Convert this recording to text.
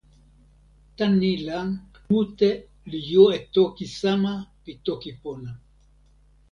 tan ni la, mi mute li jo e toki sama pi toki pona!